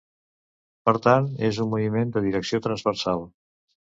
Per tant és un moviment de direcció transversal.